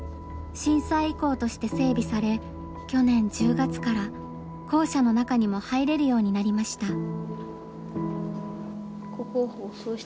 震災遺構として整備され去年１０月から校舎の中にも入れるようになりました。